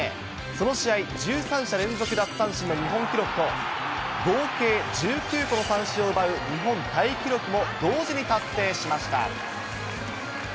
その試合、１３者連続奪三振の日本記録と、合計１９個の三振を奪う日本タイ記録も同時に達成しました。